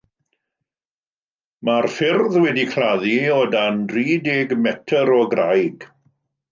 Mae'r ffyrdd wedi'u claddu o dan dri deg metr o graig.